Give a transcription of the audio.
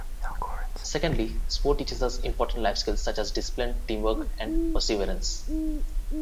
Secondly, sport teaches us important life skills such as discipline, teamwork, and perseverance.